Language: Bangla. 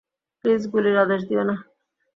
প্লিজ গুলির আদেশ দিয়ো না।